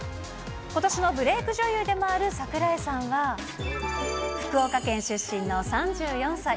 ことしのブレーク女優でもある桜井さんは、福岡県出身の３４歳。